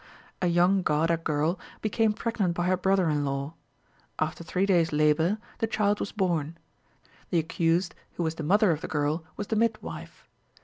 A young Gauda girl became pregnant by her brother in law. After three days' labour, the child was born. The accused, who was the mother of the girl, was the midwife.